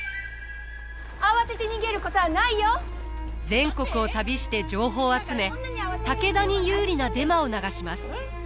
全国を旅して情報を集め武田に有利なデマを流します。